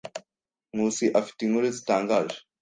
Nkusi afite inkuru zitangaje.